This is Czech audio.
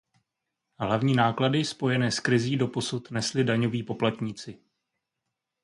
Hlavní náklady spojené s krizí doposud nesli daňoví poplatníci.